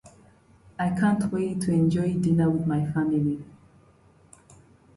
There'd be a lot less wind if there were trees.